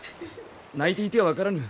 泣いていては分からぬ。